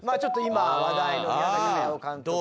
今話題の宮駿監督のね